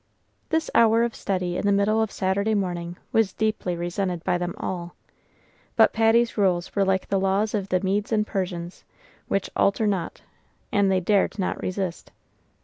This hour of study in the middle of Saturday morning was deeply resented by them all; but Patty's rules were like the laws of the Medes and Persians, which alter not, and they dared not resist.